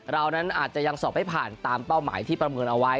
เรานั้นอาจจะยังสอบไม่ผ่านตามเป้าหมายที่ประเมินเอาไว้